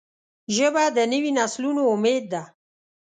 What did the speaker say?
ژبه د نوي نسلونو امید ده